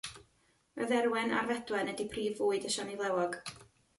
Y dderwen a'r fedwen ydy prif fwyd y siani flewog.